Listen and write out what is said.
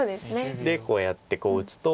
こうやってこう打つと。